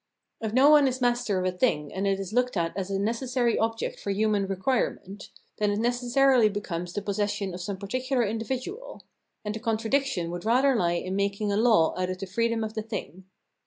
If no one is master of a thing and it is looked at as a necessary object for human requirement, then it necessarily becomes the possession of some particular individual; and the contradiction would rather lie in mak ing a law out of the freedom of the thing.